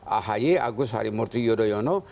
ahi agus harimurti yudhoyono